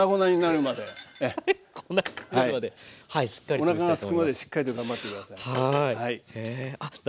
おなかがすくまでしっかりと頑張って下さい。